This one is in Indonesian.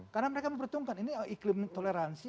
karena mereka mempertimbangkan ini iklim toleransi